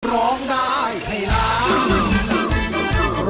ร้องได้ให้ร้อง